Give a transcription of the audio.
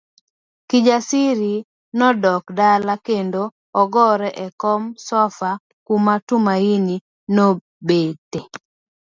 Kijasiri nodok dala kendo ogore e kom sofa kuma Tumaini nobete.